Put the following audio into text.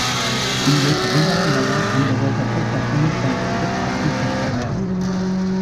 இங்கே கவிஞர் அல்லவா அந்த வேகத்தைக் கற்பனைக் கண்கொண்டு பார்த்துச்சொல்கிறார்?